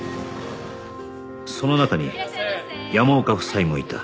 その中に山岡夫妻もいた